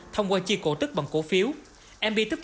thông qua chi cổ tức bằng cổ phiếu